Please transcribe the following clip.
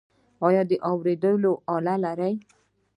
ایا د اوریدلو آله لرئ؟